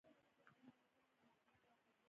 چې ايا تا چرته داسې زمرے ليدلے